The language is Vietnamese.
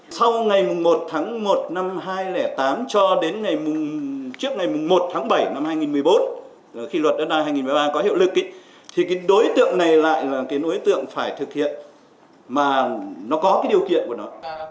sau ngày một tháng một năm hai nghìn tám cho đến trước ngày một tháng bảy năm hai nghìn một mươi bốn khi luật đất đai hai nghìn một mươi ba có hiệu lực thì cái đối tượng này lại là cái đối tượng phải thực hiện mà nó có cái điều kiện của nó